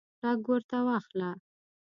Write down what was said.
ټګ ورته واخله.